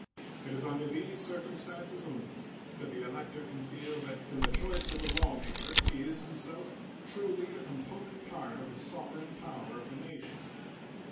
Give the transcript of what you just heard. It is under these circumstances only that the elector can feel that in the choice of the lawmaker he is himself truly a component part of the sovereign power of the nation.